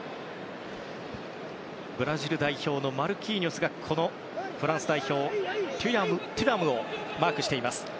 ブラジル代表マルキーニョスがこのフランス代表、テュラムをマークしています。